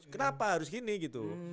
kenapa harus gini gitu